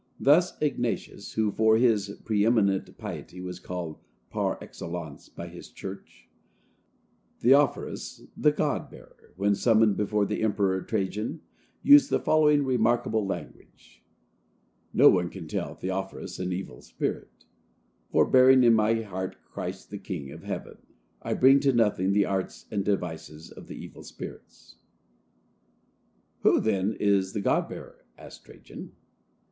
Thus Ignatius, who for his preëminent piety was called, par excellence, by his church, "Theophorus, the God bearer," when summoned before the Emperor Trajan, used the following remarkable language: "No one can call Theophorus an evil spirit for, bearing in my heart Christ the king of heaven, I bring to nothing the arts and devices of the evil spirits." "Who, then, is 'the God bearer'?" asked Trajan.